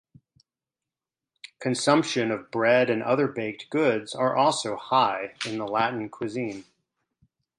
Consumption of bread and other baked goods are also high in the Latin cuisine.